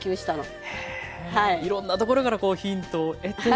へえいろんなところからこうヒントを得て。